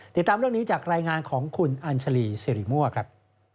ติดตามเรื่องนี้จากรายงานของคุณอัญชาลีสิริมั่วครับ